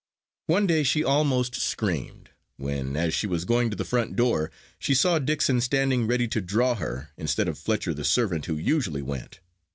One day she almost screamed, when, as she was going to the front door, she saw Dixon standing ready to draw her, instead of Fletcher the servant who usually went.